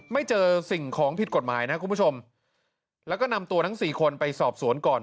ไม่เจอสิ่งของผิดกฎหมายนะคุณผู้ชมแล้วก็นำตัวทั้งสี่คนไปสอบสวนก่อน